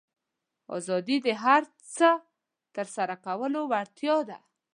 آزادي د هر هغه څه ترسره کولو وړتیا ده.